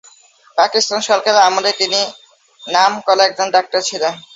পাকিস্তান সরকারের আমলে তিনি নাম করা একজন ডাক্তার ছিলেন।